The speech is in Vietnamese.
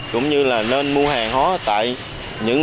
cũng như là nên mua hàng hóa tại những cái đơn hàng